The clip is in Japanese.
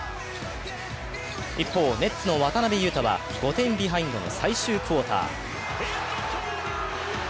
一方、ネッツの渡邊雄太は５点ビハインドの最終クオーター。